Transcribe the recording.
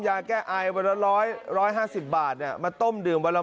ยาแก้อ้ายวันละร้อยร้อยห้าสิบบาทเนี้ยมาต้มดื่มวันละ